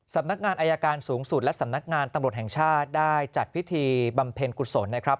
สำนักงานอายการสูงสุดและสำนักงานตำรวจแห่งชาติได้จัดพิธีบำเพ็ญกุศลนะครับ